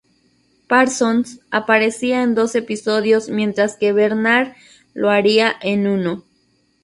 Parsons aparecería en dos episodios mientras que Bernhard lo haría en uno.